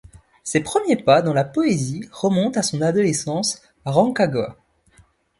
Ses premiers pas dans la poésie remontent à son adolescence à Rancagua.